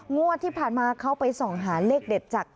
งวดที่ผ่านมาเขาไปส่องหาเลขเด็ดจาก